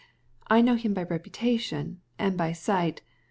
"I know him by reputation and by sight.